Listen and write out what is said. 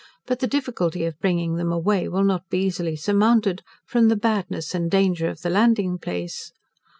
But the difficulty of bringing them away will not be easily surmounted, from the badness and danger of the landing place.